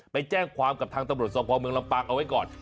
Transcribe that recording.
ไปแจ้งความกับทางตำรวจสภาพเมืองลำปางเอาไว้ก่อน